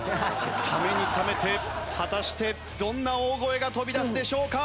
ためにためて果たしてどんな大声が飛び出すでしょうか。